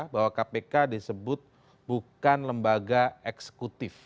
bahwa kpk disebut bukan lembaga eksekutif